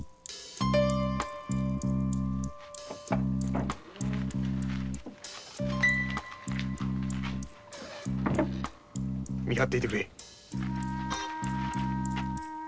見張っていてくれ！